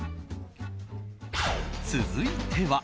続いては。